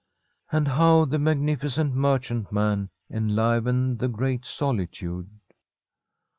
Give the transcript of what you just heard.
And how the magnificent merchantman enlivened the great solitude